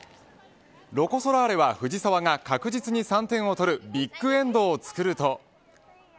ロコ・ソラーレは藤澤が確実に３点をとるビッグエンドを作ると。